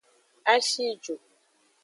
A shi ju.